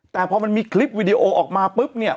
แต่พอมันมีคลิปวิดีโอออกมาปุ๊บเนี่ย